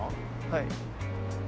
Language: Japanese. はい。